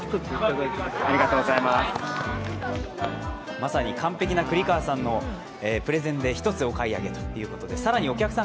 まさに完璧な栗川さんのプレゼンで１つお買い上げということで。